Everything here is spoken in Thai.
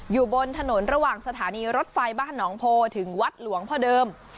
อยู่บนถนนระหว่างสถานีรถไฟบ้านหนองโพถึงวัดหลวงพ่อเดิม